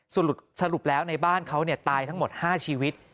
สรุปแล้วในบ้านเขาตายทั้งหมด๕ชีวิต